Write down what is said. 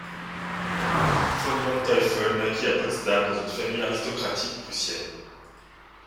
Von Manteuffel naquit à Potsdam dans une famille aristocratique prussienne.